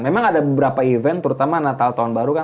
memang ada beberapa event terutama natal tahun baru kan